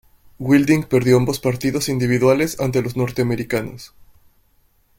Wilding perdió ambos partidos individuales ante los norteamericanos.